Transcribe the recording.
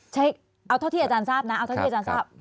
เอาเท่าที่อาจารย์ทราบนะเอาเท่าที่อาจารย์ทราบ